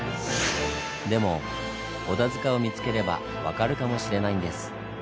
でも織田塚を見つければ分かるかもしれないんです。